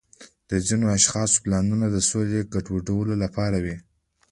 د ځینو اشخاصو پلانونه د سولې د ګډوډولو لپاره وي.